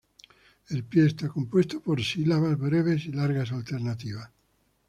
El pie está compuesto por sílabas breves y largas alternativas.